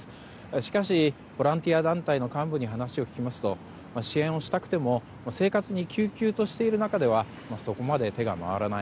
しかし、ボランティア団体の幹部に話を聞きますと支援をしたくても生活にきゅうきゅうとしている中ではそこまで手が回らない。